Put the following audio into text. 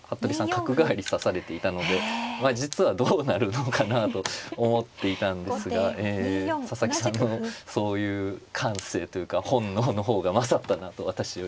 角換わり指されていたので実はどうなるのかなと思っていたんですが佐々木さんのそういう感性というか本能の方が勝ったなと私より。